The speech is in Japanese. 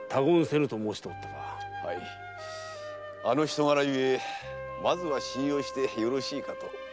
はいあの人柄ゆえまずは信用してよろしいかと。